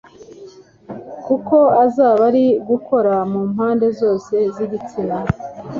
kuko uzaba uri gukora mu mpande zose z'igitsina